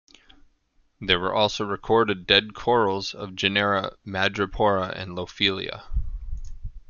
There were also recorded dead corals of genera "Madrepora" and "Lophelia".